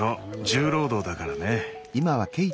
重労働だからね。